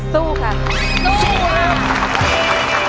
สู้ครับ